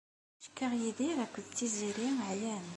Cukkeɣ Yidir akked Tiziri εyan.